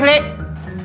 pindah ke sini